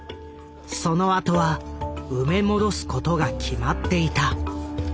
そのあとは埋め戻すことが決まっていた。